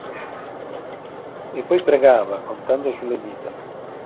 E poi pregava, contando sulle dita.